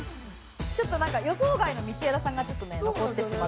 ちょっとなんか予想外の道枝さんがちょっとね残ってしまって。